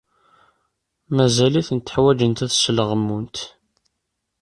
Mazal-itent ḥwajent ad sleɣmunt.